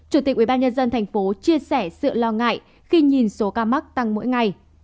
chủ tịch ubnd tp chia sẻ sự lo ngại khi nhìn số ca mắc tăng mỗi ngày